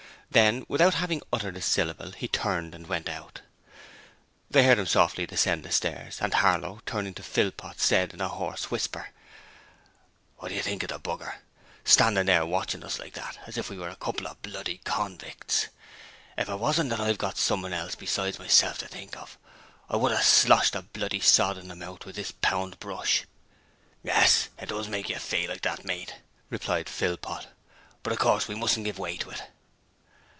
Then, without having uttered a syllable, he turned and went out. They heard him softly descend the stairs, and Harlow, turning to Philpot said in a hoarse whisper: 'What do you think of the b r, standing there watchin' us like that, as if we was a couple of bloody convicts? If it wasn't that I've got someone else beside myself to think of, I would 'ave sloshed the bloody sod in the mouth with this pound brush!' 'Yes; it does make yer feel like that, mate,' replied Philpot, 'but of course we mustn't give way to it.'